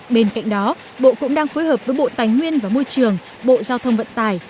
bên cạnh đó bộ cũng đang phối hợp với bộ tài nguyên và môi trường bộ giao thông vận tải